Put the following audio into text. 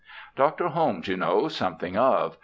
' Dr. Holmes you know something of.